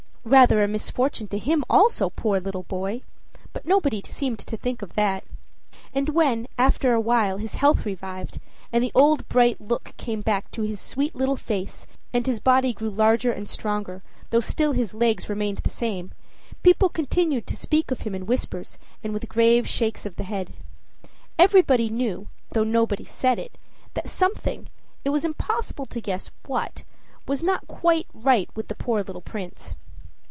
Rather a misfortune to him also, poor little boy! but nobody seemed to think of that. And when, after a while, his health revived, and the old bright look came back to his sweet little face, and his body grew larger and stronger, though still his legs remained the same, people continued to speak of him in whispers, and with grave shakes of the head. Everybody knew, though nobody said it, that something, it was impossible to guess what, was not quite right with the poor little Prince.